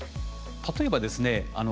例えばですね